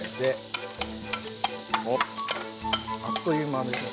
あっという間に。